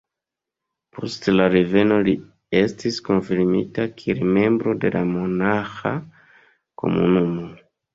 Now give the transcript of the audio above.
Post la reveno li estis konfirmita kiel membro de la monaĥa komunumo.